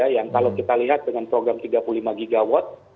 yang kalau kita lihat dengan program tiga puluh lima gigawatt